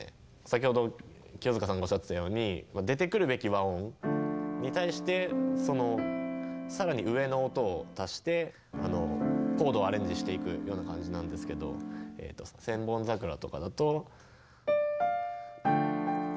先ほど清塚さんがおっしゃってたように出てくるべき和音に対してそのさらに上の音を足してコードをアレンジしていくような感じなんですけど「千本桜」とかだと。